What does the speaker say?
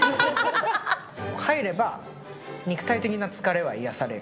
入れば肉体的な疲れは癒やされる。